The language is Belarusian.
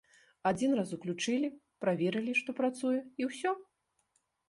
Адзін раз уключылі, праверылі, што працуе, і ўсё.